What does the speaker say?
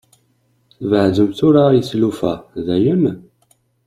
Tbeɛɛdem tura i tlufa, dayen?